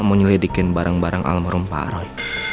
mau nyelidikin barang barang alam rumpah roy